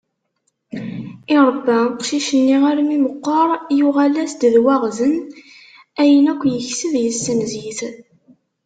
Iṛebba aqcic-nni armi meqqer, yuγal-as d waγzen ayen akk yekseb, yesenz-it.